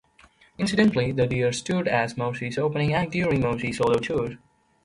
Incidentally, The Dears toured as Morrissey's opening act during Morrissey's solo tour.